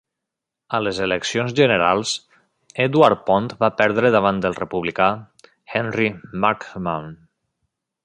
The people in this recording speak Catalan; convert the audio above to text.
A les eleccions generals, Edward Pond va perdre davant el republicà, Henry Markham.